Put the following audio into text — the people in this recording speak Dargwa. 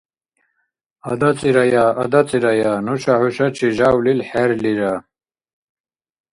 АдацӀирая, адацӀирая, нуша хӀушачи жявлил хӀерлира.